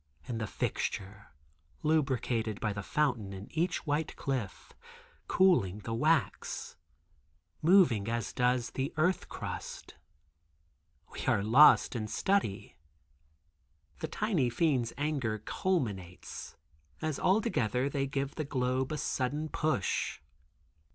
In the fixture—lubricated by the fountain in each white cliff (cooling the wax), moving as does the earth crust. We are both lost in study. The tiny fiends' anger culminates, as altogether they give the globe a sudden push.